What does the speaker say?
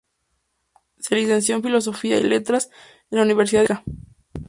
Se licenció en Filosofía y Letras en la Universidad de Costa Rica.